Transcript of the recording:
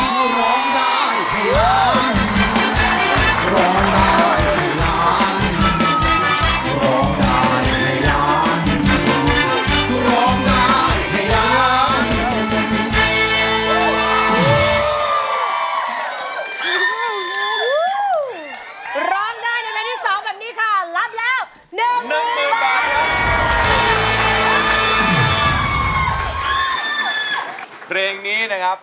สงสัยครับ